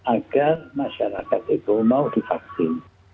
agar masyarakat itu mau divaksin